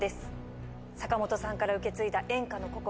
坂本さんから受け継いだ演歌の心。